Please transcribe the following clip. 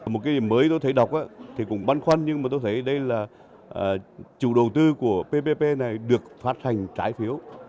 một cái điểm mới tôi thấy đọc thì cũng băn khoăn nhưng mà tôi thấy đây là chủ đầu tư của ppp này được phát hành trái phiếu